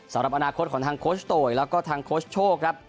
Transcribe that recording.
สำหรับอนาคตของทางโคชโตยแล้วก็ทางโค้ชโชคครับ